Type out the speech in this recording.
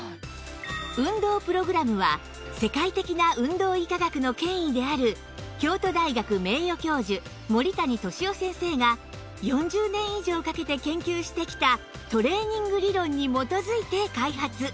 運動プログラムは世界的な運動医科学の権威である京都大学名誉教授森谷敏夫先生が４０年以上かけて研究してきたトレーニング理論に基づいて開発